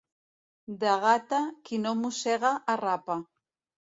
De Gata, qui no mossega, arrapa.